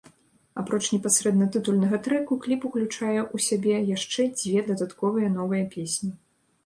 Апроч непасрэдна тытульнага трэку, кліп уключае ў сябе яшчэ дзве дадатковыя новыя песні.